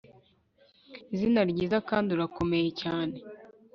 izina ryiza kandi urakomeye cyane